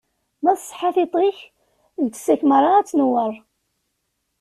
Ma tṣeḥḥa tiṭ-ik, lǧetta-k meṛṛa ad tnewweṛ.